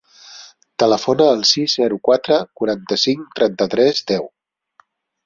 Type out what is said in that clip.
Telefona al sis, zero, quatre, quaranta-cinc, trenta-tres, deu.